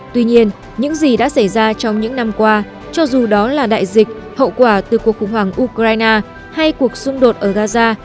tuy nhiên những gì đã xảy ra trong những năm qua cho dù đó là đại dịch hậu quả từ cuộc khủng hoảng ukraine hay cuộc xung đột ở gaza